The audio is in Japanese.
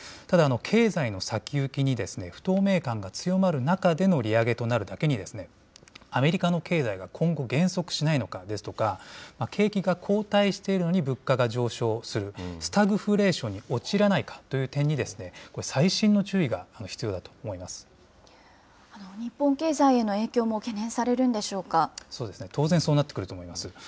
ただ、経済の先行きに不透明感が強まる中での利上げとなるだけに、アメリカの経済が今後、減速しないのかですとか、景気が後退しているのに物価が上昇する、スタグフレーションに陥らないかという点に、これ、細心の注意が日本経済への影響も懸念されそうですね、当然そうなってくると思います。